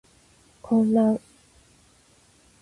混乱